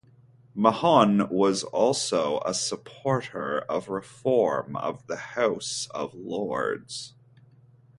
Mahon was also a supporter of reform of the House of Lords.